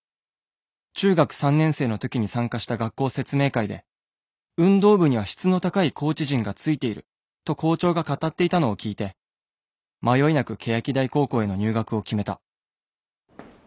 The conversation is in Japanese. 中学３年生の時に参加した学校説明会で『運動部には質の高いコーチ陣がついている』と校長が語っていたのを聞いて迷いなく欅台高校への入学を決めた。